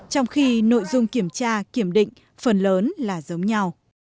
trong khi nội dung kiểm tra kiểm định phần lớn là giống nhau